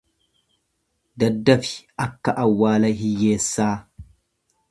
Daddafi akka awwala hiyyeessaa.